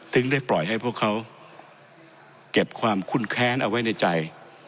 ได้ปล่อยให้พวกเขาเก็บความคุ้นแค้นเอาไว้ในใจ